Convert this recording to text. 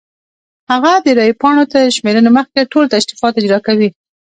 هغه د رای پاڼو تر شمېرنې مخکې ټول تشریفات اجرا کوي.